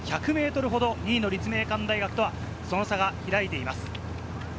１００ｍほど２位の立命館大学とはその差が開いています。